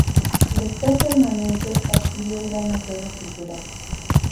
Lector permanente adquirió un gran acervo cultural.